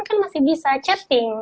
kan masih bisa chatting